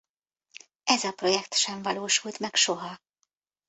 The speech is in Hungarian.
Ez a projekt sem valósult meg soha.